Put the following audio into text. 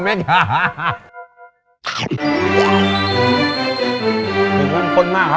เป็นคนมากครับ